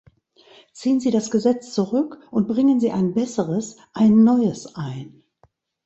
Ziehen Sie das Gesetz zurück und bringen Sie ein besseres, ein neues ein.